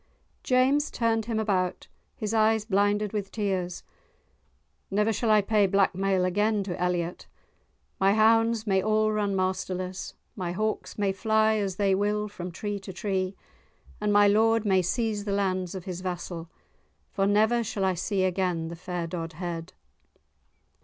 James turned him about, his eyes blinded with tears. "Never shall I pay blackmail again to Elliot. My hounds may all run masterless, my hawks may fly as they will from tree to tree, and my lord may seize the lands of his vassal, for never shall I see again the fair Dodhead."